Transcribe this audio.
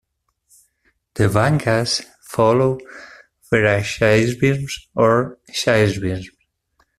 Devangas follow Veerashaivism or Shaivism.